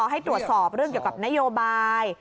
ให้ตรวจสอบเรื่องเกี่ยวกับนโยบาย